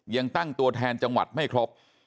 ยังตั้งตัวแทนจังหวัดไม่ครบ